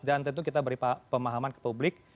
dan tentu kita beri pemahaman ke publik